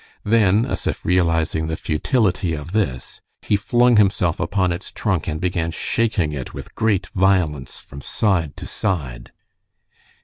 Then, as if realizing the futility of this, he flung himself upon its trunk and began shaking it with great violence from side to side.